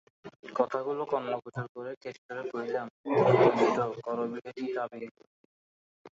কথাগুলো কর্ণগোচর করে কেষ্টরে কইলাম, কিরে কেষ্ট করবীরে কি কাবিন করবি?